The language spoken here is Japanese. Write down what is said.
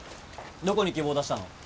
どこに希望出したの？